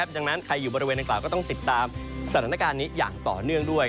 ดังนั้นใครอยู่บริเวณดังกล่าวก็ต้องติดตามสถานการณ์นี้อย่างต่อเนื่องด้วย